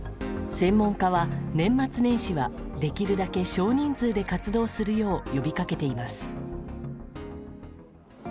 専門家は年末年始はできるだけ少人数で活動するよう呼びかけています。